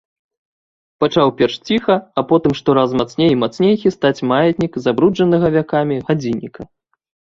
Пачаў перш ціха, а потым штораз мацней і мацней хістаць маятнік забруджанага вякамі гадзінніка.